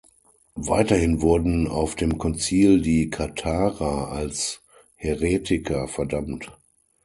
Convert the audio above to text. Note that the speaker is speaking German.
Weiterhin wurden auf dem Konzil die Katharer als Häretiker verdammt.